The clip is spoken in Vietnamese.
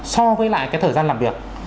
so với lại cái thời gian làm việc